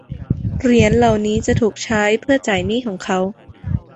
เหรียญเหล่านี้จะถูกใช้เพื่อจ่ายหนี้ของเขา